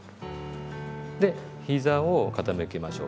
でひざを傾けましょう。